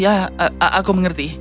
ya aku mengerti